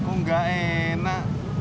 kok nggak enak